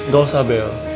gak usah bel